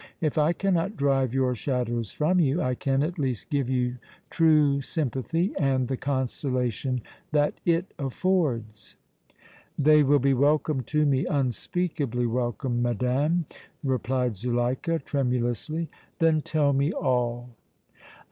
If I cannot drive your shadows from you, I can at least give you true sympathy and the consolation that it affords." "They will be welcome to me, unspeakably welcome, madame," replied Zuleika, tremulously. "Then tell me all."